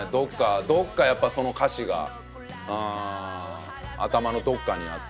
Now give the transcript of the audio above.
どっかやっぱその歌詞が頭のどっかにあって。